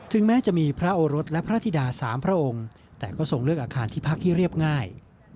แม้จะมีพระโอรสและพระธิดา๓พระองค์แต่ก็ทรงเลือกอาคารที่พักที่เรียบง่าย